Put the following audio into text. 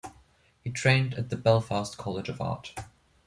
He trained at the Belfast College of Art.